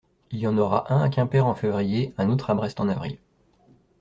Il y en aura un à Quimper en février et un autre à Brest en avril.